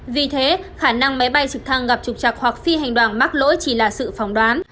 vì thế khả năng máy bay trực thăng gặp trục chặt hoặc phi hành đoàn mắc lỗi chỉ là sự phỏng đoán